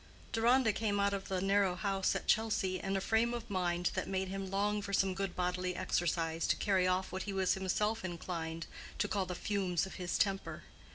Deronda came out of the narrow house at Chelsea in a frame of mind that made him long for some good bodily exercise to carry off what he was himself inclined to call the fumes of his temper.